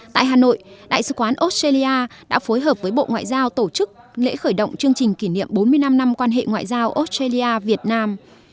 tại hà nội đại sứ quán australia đã phối hợp với bộ ngoại giao tổ chức lễ khởi động chương trình kỷ niệm bốn mươi năm năm quan hệ ngoại giao australia việt nam